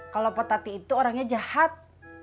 kalau bu tati itu orangnya jahat